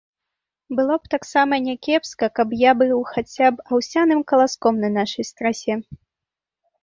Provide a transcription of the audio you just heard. Было б таксама някепска, каб я быў хаця б аўсяным каласком на нашай страсе.